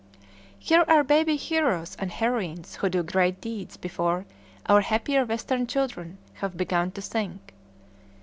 Here are baby heroes and heroines who do great deeds before our happier Western children have begun to think.